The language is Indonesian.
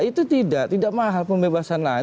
itu tidak mahal pembebasan lahannya